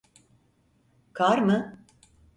Kar mı?